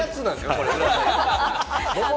これ。